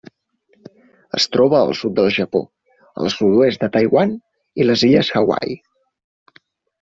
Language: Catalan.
Es troba al sud del Japó, el sud-oest de Taiwan i les Illes Hawaii.